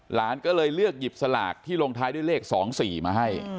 หลานก็เลยเลือกหยิบสลากที่ลงท้ายด้วยเลข๒๔มาให้